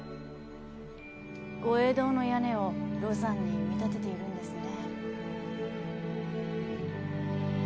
御影堂の屋根を廬山に見立てているんですね。